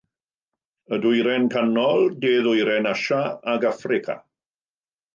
Y Dwyrain Canol, De-ddwyrain Asia ac Affrica.